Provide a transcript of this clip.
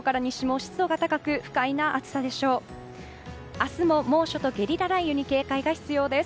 明日も猛暑とゲリラ雷雨に警戒が必要です。